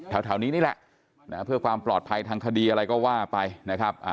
แถวนี้นี่แหละเพื่อความปลอดภัยทางคดีอะไรก็ว่าไปนะครับ